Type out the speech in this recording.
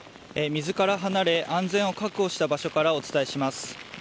水から離れ安全を確保した場所からお伝えします。